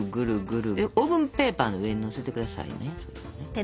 でオーブンペーパーの上にのせてくださいね。